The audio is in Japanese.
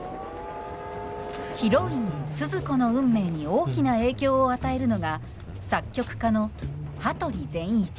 ヒロインスズ子の運命に大きな影響を与えるのが作曲家の羽鳥善一。